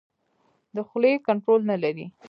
د خولې کنټرول نه لري.